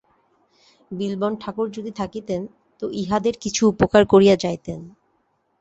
বিল্বন ঠাকুর যদি থাকিতেন তো ইহাদের কিছু উপকার করিয়া যাইতেন।